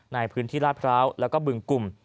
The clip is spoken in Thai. ในพื้นที่ลาดพร้าวแล้วก็บึงกลุ่ม